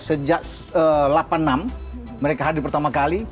sejak delapan puluh enam mereka hadir pertama kali